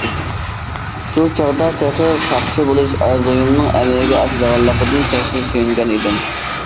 شۇ چاغدا تېخى ساقچى بولۇش ئارزۇيۇمنىڭ ئەمەلگە ئاشىدىغانلىقىدىن چەكسىز سۆيۈنگەن ئىدىم.